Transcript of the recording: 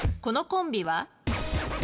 このコンビは？